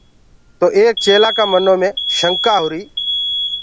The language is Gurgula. تو ايڪ چيلهآ ڪآ منو مي شکآ هُوآري۔